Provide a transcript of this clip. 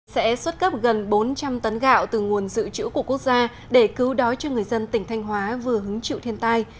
sẽ xuất cấp gần bốn trăm linh tấn gạo từ nguồn dự trữ của quốc gia để cứu đói cho người dân tỉnh thanh hóa vừa hứng chịu thiên tai